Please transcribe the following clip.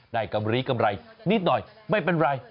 กำลีกำไรนิดหน่อยไม่เป็นไร